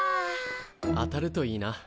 当たるといいな。